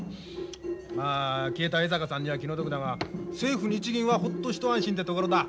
まあ消えた江坂さんには気の毒だが政府日銀はホッと一安心ってところだ。